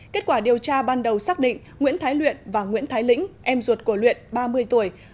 kết quả điều tra ban đầu xác định nguyễn thái luyện và nguyễn thái lĩnh em ruột của luyện ba mươi tuổi